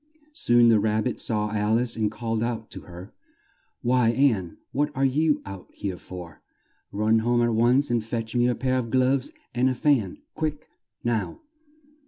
Soon the Rab bit saw Al ice and called out to her, "Why, Ann, what are you out here for? Run home at once, and fetch me a pair of gloves and a fan! Quick, now!"